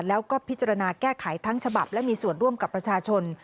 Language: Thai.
แล้วก็พิจารณาแก้ไขทั้งฉบับและมีส่วนร่วมกับประชาชน